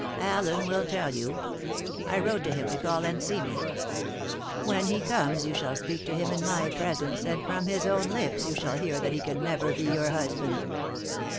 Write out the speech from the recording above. "Allen will tell you. I wrote to him to call and see me. When he comes you shall speak to him in my presence, and from his own lips you shall hear that he can never be your husband."